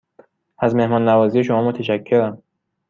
از مهمان نوازی شما متشکرم.